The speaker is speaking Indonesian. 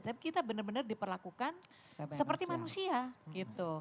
tapi kita benar benar diperlakukan seperti manusia gitu